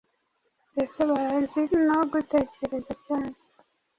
ndetse bazi no gutekereza cyane.